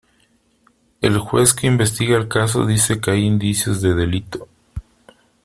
El juez que investiga el caso dice que hay indicios de delito.